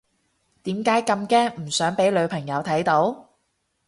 點解咁驚唔想俾女朋友睇到？